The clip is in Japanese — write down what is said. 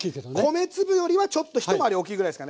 米粒よりはちょっと一回り大きいぐらいですかね。